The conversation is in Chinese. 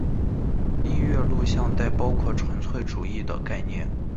音乐录像带包含纯粹主义的概念。